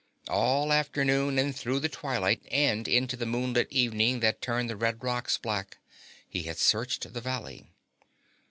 All afternoon and through the twilight and into the moonlit evening that turned the red rocks black, he had searched the valley.